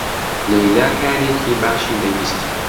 لەیلا کارێکی باشی دەویست.